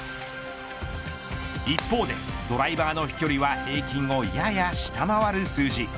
一方でドライバーの飛距離は平均をやや下回る数字。